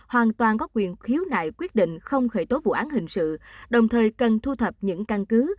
hoàn toàn có quyền khiếu nại quyết định không khởi tố vụ án hình sự đồng thời cần thu thập những căn cứ